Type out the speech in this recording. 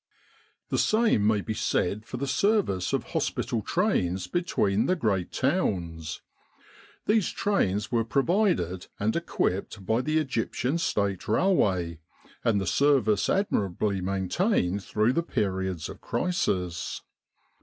The same may be said for the service of hospital trains between the great towns. These trains were provided and equipped by the Egyptian State Rail way, and the service admirably maintained through the periods of crisis.